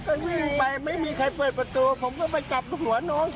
มันบอกว่าไม่มีใครมันไม่ให้ใครเข้าไปใกล้มันไปเลยค่ะ